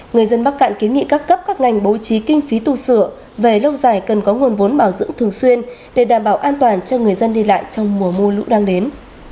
người dân bắc cạn kiến nghị các cấp các ngành bố trí kinh phí tu sửa về lâu dài cần có nguồn vốn bảo dưỡng thường xuyên để đảm bảo an toàn cho người dân đi lại trong mùa mưa lũ đang đến